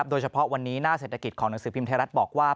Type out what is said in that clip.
โดยเฉพาะวันนี้หน้าเศรษฐกิจของหนังสือพิมพ์ไทยรัฐบอกว่า